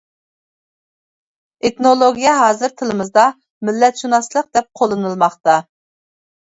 ئېتنولوگىيە ھازىر تىلىمىزدا «مىللەتشۇناسلىق» دەپ قوللىنىلماقتا.